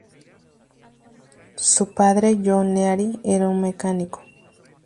Su padre John Leary era un mecánico.